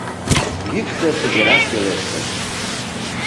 Йӱксӧ тыгерак пелештыш: